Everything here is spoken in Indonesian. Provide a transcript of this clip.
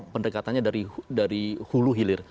pendekatannya dari hulu hilir